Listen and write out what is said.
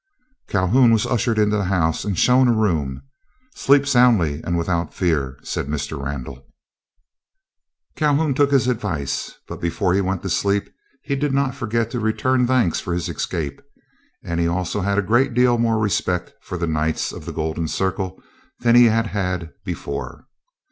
Calhoun was ushered into the house, and shown a room. "Sleep soundly, and without fear," said Mr. Randall. Calhoun took his advice, but before he went to sleep he did not forget to return thanks for his escape, and he also had a great deal more respect for the Knights of the Golden Circle than he had had before.